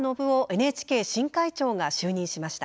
ＮＨＫ新会長が就任しました。